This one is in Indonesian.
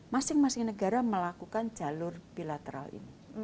masing masing negara melakukan jalur bilateral ini